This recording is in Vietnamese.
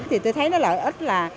thì tôi thấy nó lợi ích là